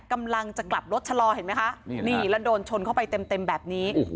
กำลังจะกลับรถชะลอเห็นไหมคะนี่แล้วโดนชนเข้าไปเต็มเต็มแบบนี้